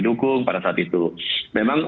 dukung pada saat itu memang